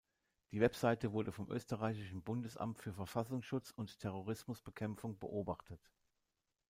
Die Website wurde vom österreichischen Bundesamt für Verfassungsschutz und Terrorismusbekämpfung beobachtet.